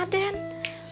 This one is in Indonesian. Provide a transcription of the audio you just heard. kasian pisahnya sama aden